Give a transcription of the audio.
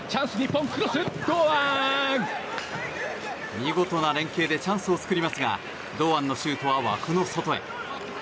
見事な連係でチャンスを作りますが堂安のシュートは枠の外へ。